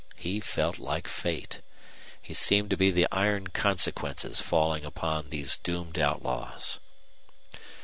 He felt like fate. He seemed to be the iron consequences falling upon these doomed outlaws.